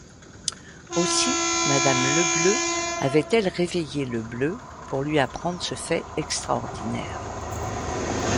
Aussi, madame Lebleu avait-elle réveillé Lebleu, pour lui apprendre ce fait extraordinaire.